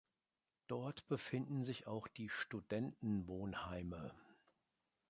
Dort befinden sich auch die Studentenwohnheime.